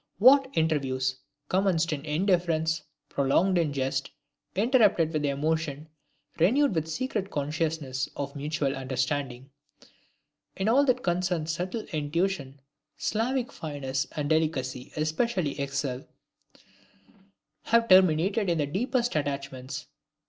What interviews, commenced in indifference, prolonged in jest, interrupted with emotion, renewed with the secret consciousness of mutual understanding, (in all that concerns subtle intuition Slavic finesse and delicacy especially excel,) have terminated in the deepest attachments!